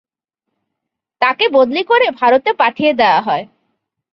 তাকে বদলী করে ভারতে পাঠিয়ে দেওয়া হয়।